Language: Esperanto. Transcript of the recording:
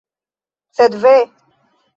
Sed ve!